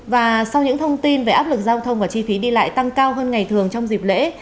và sau những thông tin về áp lực giao thông và chi phí đi lại tăng cao hơn ngày thường trong dịp lễ